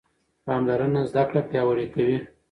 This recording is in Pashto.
پاملرنه زده کړه پیاوړې کوي.